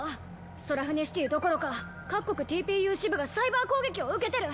ソラフネシティどころか各国ＴＰＵ支部がサイバー攻撃を受けてる！